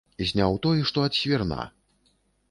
Зняў той, што ад свірна.